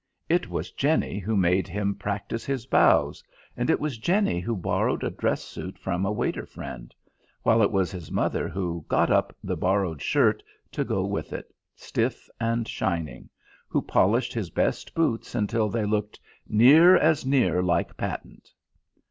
It was Jenny who made him practise his bows, and it was Jenny who borrowed a dress suit from a waiter friend; while it was his mother who "got up" the borrowed shirt to go with it, stiff and shining; who polished his best boots until they looked "near as near like patent."